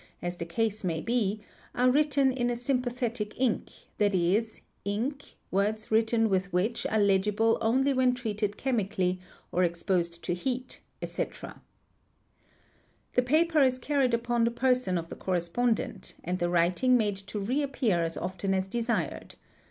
as the case may be are written in a sympathetic ink, t.e., ink, words written with which are legible only when treated chemi cally, or exposed to heat, etc. The paper is carried upon the person of the correspondent and the writing made to re appear as often as desired.